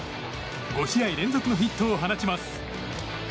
５試合連続のヒットを放ちます。